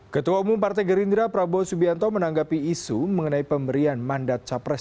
ketua umum partai gerindra prabowo subianto menanggapi isu mengenai pemberian mandat capres